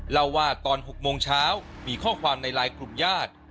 เล่าว่าตอน๖โมงเช้ามีข้อความในไลน์กลุ่มญาติ